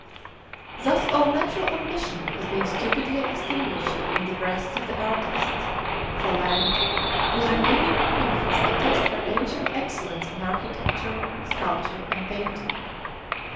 Thus all natural ambition has been stupidly extinguished in the breasts of the artists of a land whose remaining monuments attest her ancient excellence in architecture, sculpture, and painting.